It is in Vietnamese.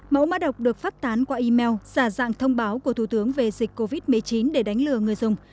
mẫu mã độc được phát tán qua email giả dạng thông báo của thủ tướng về dịch covid một mươi chín để đánh lừa người dùng